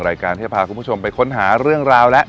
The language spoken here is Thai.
รายการที่จะพาคุณผู้ชมไปค้นหาเรื่องราวแล้ว